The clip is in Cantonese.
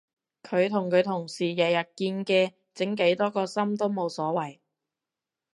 佢同佢同事日日見嘅整幾多個心都冇所謂